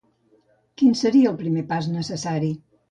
Quin seria el primer pas necessari?